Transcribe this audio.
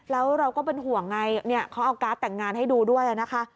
แล้วเราก็เป็นห่วงไงเขาเอาการ์ดแต่งงานให้ดูด้วยนะคะ